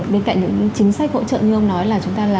bên cạnh những chính sách hỗ trợ như ông nói là chúng ta là